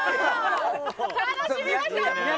楽しみましょう！